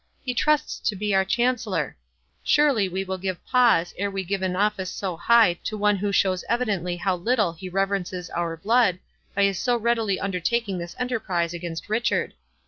—He trusts to be our Chancellor. Surely we will pause ere we give an office so high to one who shows evidently how little he reverences our blood, by his so readily undertaking this enterprise against Richard.